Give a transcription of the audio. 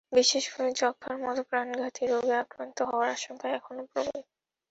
বিশেষ করে যক্ষ্মার মতো প্রাণঘাতী রোগে আক্রান্ত হওয়ার আশঙ্কা এখানে প্রবল।